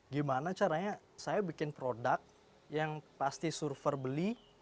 gimana caranya saya bikin produk yang pasti surfer beli